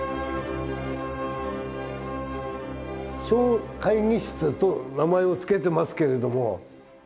「小会議室」と名前を付けてますけれども。